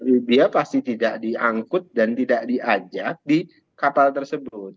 india pasti tidak diangkut dan tidak diajak di kapal tersebut